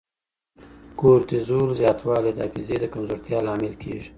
د کورټیزول زیاتوالی د حافظې کمزورتیا لامل کېږي.